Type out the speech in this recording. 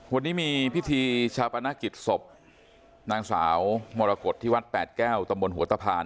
วันนี้มีพิธีชาปนกิจศพนางสาวมรกฏที่วัดแปดแก้วตำบลหัวตะพาน